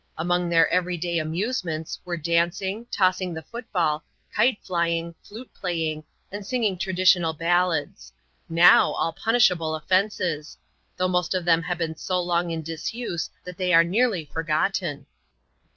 Among their everyday amusements, were dancing, tossing the football, kite flying, flute playing, and singing traditional ballads — now, all punishable offences ; though most of them have been so long in disuse that they are nearly forgotten.